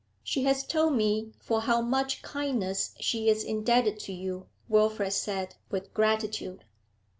'She has told me for how much kindness she is indebted to you,' Wilfrid said, with gratitude.